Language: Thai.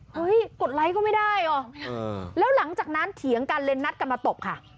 กดไลค์ก็ไม่ได้หรอแล้วหลังจากนั้นเถียงกันเลยนัดกันมาตบค่ะ